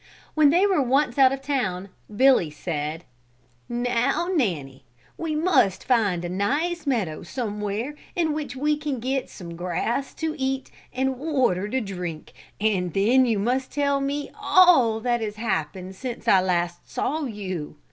When they were once out of town Billy said: "Now, Nanny, we must find a nice meadow somewhere in which we can get some grass to eat and water to drink and then you must tell me all that has happened since last I saw you.